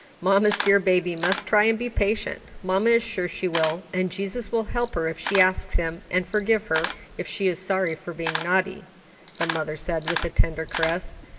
"Mamma's dear baby must try and be patient; mamma is sure she will, and Jesus will help her if she asks Him, and forgive her, if she is sorry for being naughty," the mother said, with a tender caress.